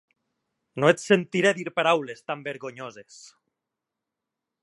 No et sentiré dir paraules tan vergonyoses!